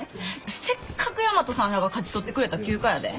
せっかく大和さんらが勝ち取ってくれた休暇やで。